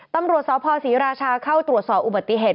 ตำรวจสพศรีราชาเข้าตรวจสอบอุบัติเหตุ